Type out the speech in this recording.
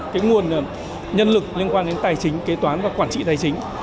cái nguồn nhân lực liên quan đến tài chính kế toán và quản trị tài chính